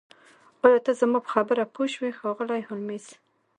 ایا ته زما په خبره پوه شوې ښاغلی هولمز